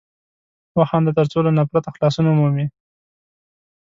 وخانده تر څو له نفرته خلاصون ومومې!